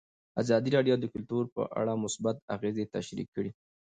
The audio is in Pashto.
ازادي راډیو د کلتور په اړه مثبت اغېزې تشریح کړي.